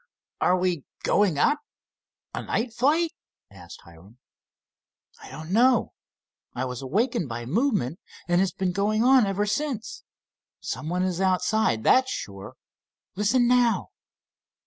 "Are we going up—a night flight?" asked Hiram. "I don't know. I was awakened by the movement, and it's been going on ever since. Someone is outside, that's sure. Listen now!"